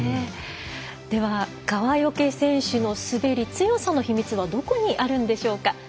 では、川除選手の滑り強さの秘密はどこにあるんでしょうか。